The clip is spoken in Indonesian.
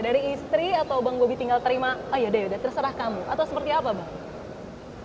dari istri atau bang bobi tinggal terima ayo deh terserah kamu atau seperti apa bang